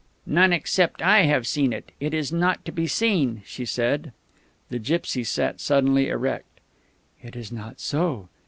"None except I have seen it. It is not to be seen," she said. The gipsy sat suddenly erect. "It is not so.